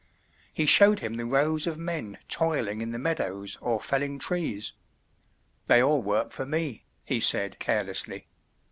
He showed him the rows of men toiling in the meadows or felling trees. "They all work for me," he said carelessly.